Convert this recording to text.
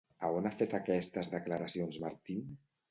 A on ha fet aquestes declaracions Martín?